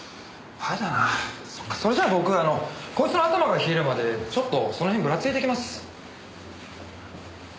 あれだなそっかそれじゃあ僕こいつの頭が冷えるまでちょっとその辺ぶらついてきます。